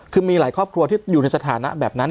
คือมีหลายครอบครัวที่อยู่ในสถานะแบบนั้น